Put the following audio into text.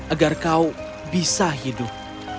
agar kau bisa hidup